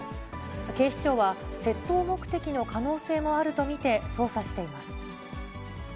警視庁は、窃盗目的の可能性もあると見て捜査しています。